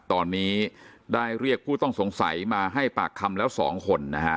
ตอนนี้ได้เรียกผู้ต้องสงสัยมาให้ปากคำแล้ว๒คนนะฮะ